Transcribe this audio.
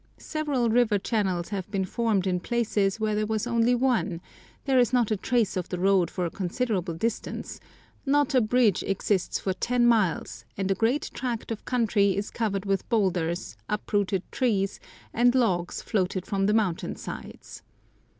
Several river channels have been formed in places where there was only one; there is not a trace of the road for a considerable distance, not a bridge exists for ten miles, and a great tract of country is covered with boulders, uprooted trees, and logs floated from the mountain sides.